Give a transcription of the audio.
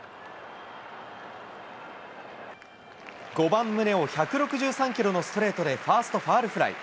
５番宗を１６３キロのストレートでファーストファウルフライ。